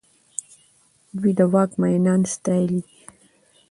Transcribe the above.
دوی د واک مينان ستايلي دي.